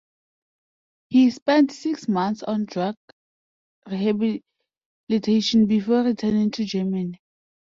He spent six months on drug rehabilitation before returning to Germany.